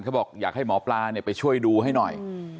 บอกอยากให้หมอปลาไปช่วยดูให้หน่อย